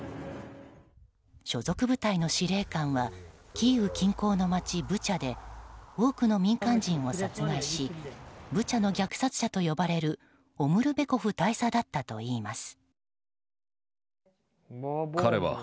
所属部隊の司令官はキーウ近郊の街ブチャで多くの民間人を殺害しブチャの虐殺者と呼ばれるオムルベコフ大佐だったといいます。